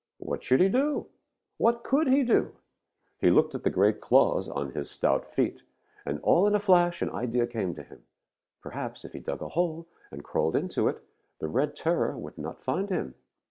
What should he do? What could he do? He looked at the great claws on his stout feet, and all in a flash an idea came to him. Perhaps if he dug a hole and crawled into it, the Red Terror would not find him.